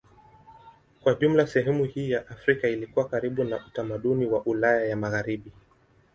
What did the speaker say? Kwa jumla sehemu hii ya Afrika ilikuwa karibu na utamaduni wa Ulaya ya Magharibi.